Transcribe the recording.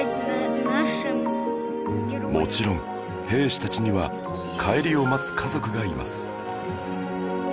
もちろん兵士たちには帰りを待つ家族がいます